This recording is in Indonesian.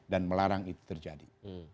dan melarang itu terjadi